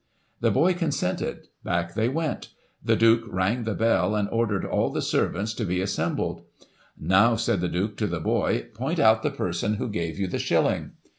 The boy consented ; back they went. The Duke rang the bell, and ordered all the servants to be as sembled 'Now/ said the Duke to the boy, 'point out the person who gave you the shilling.'